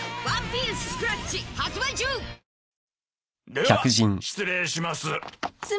では失礼します。